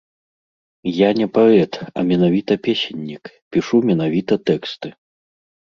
Я не паэт, а менавіта песеннік, пішу менавіта тэксты.